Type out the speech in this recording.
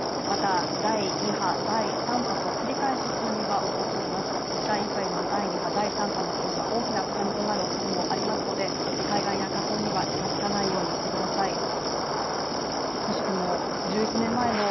また、第２波第３波と繰り返し津波は襲ってきますが第１波でも第２波第３波の方が大きな津波となるおそれもありますので海岸や河口には近づかないようにしてください。